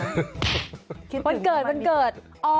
วันเกิดวันเกิด